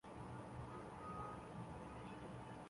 早上十点半开始